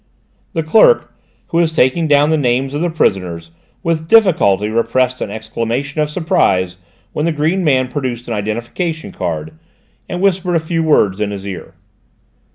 The clerk, who was taking down the names of the prisoners, with difficulty repressed an exclamation of surprise when the green man produced an identification card, and whispered a few words in his ear.